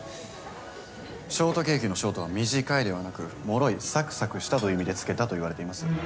ショートケーキのショートは短いではなくもろいさくさくしたという意味で付けたといわれています。